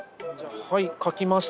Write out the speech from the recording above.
はい書きました。